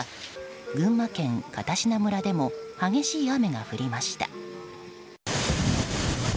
群馬県片品村でも激しい雨が降りました。